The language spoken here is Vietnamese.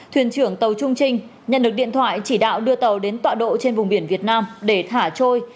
thuyền trưởng tàu trung trinh nhận được điện thoại chỉ đạo đưa tàu đến tọa độ trên vùng biển việt nam để thả trôi